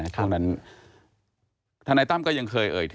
ทนายตั้มก็ยังเคย